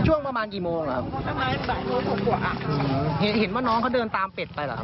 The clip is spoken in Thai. ช่างงานบรายโรคสองหัวหือเห็นเหมือนม้องเค้าเดินตามเป็ดไปเหรอครับ